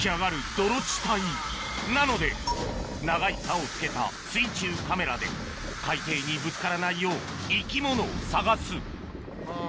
泥地帯なので長いさおをつけた水中カメラで海底にぶつからないよう生き物を探すあぁ。